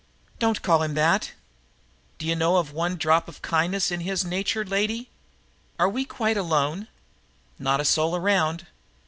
"Don't call him that!" "D'you know of one drop of kindness in his nature, lady?" "Are we quite alone?" "Not a soul around."